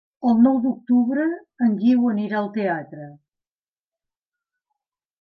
El nou d'octubre en Guiu anirà al teatre.